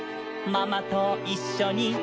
「パパといっしょに」